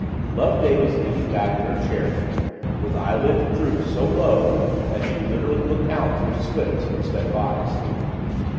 Loveday was leaning back in her chair now, with eyelids drooped so low that she literally looked out through "slits" instead of eyes.